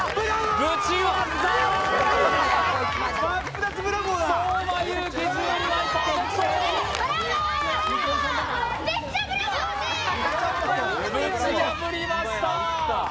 ぶち破りました。